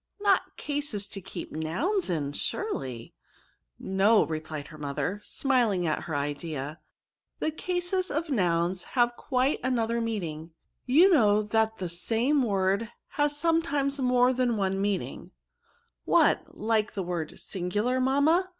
not cases to keep nouns in surely?" No ;" replied her mother, smiling at her idea ;the cases of nouns have quite an other meaning; you know that the same word has sometimes more than one mean er #•»» mg. " What ! like the word singular, mamma